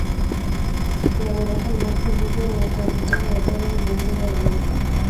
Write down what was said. Colaboró con Martin Buber en la traducción de la Torá del hebreo al alemán.